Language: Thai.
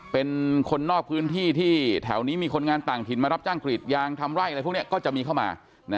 เป็นคนนอกพื้นที่ที่แถวนี้มีคนงานต่างถิ่นมารับจ้างกรีดยางทำไร่อะไรพวกนี้ก็จะมีเข้ามา